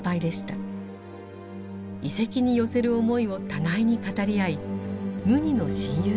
遺跡に寄せる思いを互いに語り合い無二の親友となりました。